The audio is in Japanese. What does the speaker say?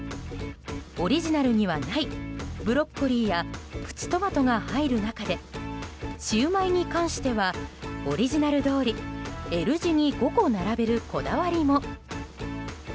オリジナルにはないブロッコリーやプチトマトが入る中でシウマイに関してはオリジナルどおりＬ字に５個並べるこだわりも。